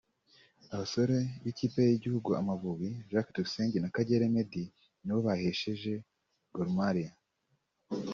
Abasore b'ikipe y'igihugu Amavubi Jacques Tuyisenge na Kagere Meddy nibo bahesheje Gor Mahia